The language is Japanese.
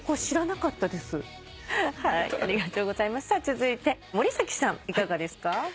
続いて森崎さんいかがですか？